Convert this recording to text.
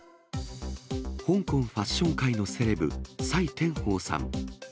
香港ファッション界のセレブ、蔡天鳳さん。